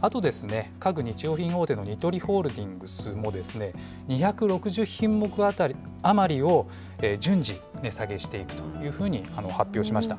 あと、家具日用品大手のニトリホールディングスもですね、２６０品目余りを順次、値下げしていくというふうに発表しました。